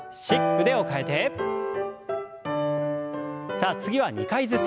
さあ次は２回ずつ。